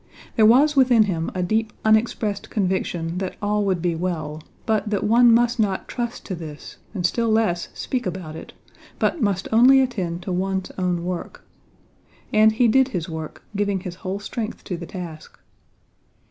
There was within him a deep unexpressed conviction that all would be well, but that one must not trust to this and still less speak about it, but must only attend to one's own work. And he did his work, giving his whole strength to the task.